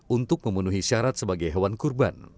untuk memenuhi syarat sebagai hewan kurban